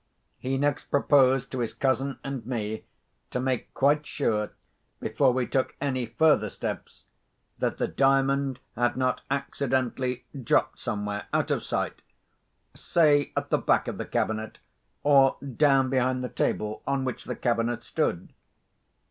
He next proposed to his cousin and to me to make quite sure, before we took any further steps, that the Diamond had not accidentally dropped somewhere out of sight—say at the back of the cabinet, or down behind the table on which the cabinet stood.